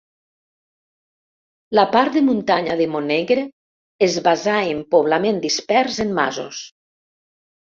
La part de muntanya de Montnegre es basà en poblament dispers en masos.